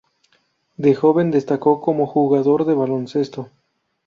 De joven destacó como jugador de baloncesto.